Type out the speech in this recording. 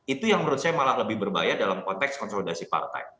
itu yang menurut saya malah lebih berbahaya dalam konteks konsolidasi partai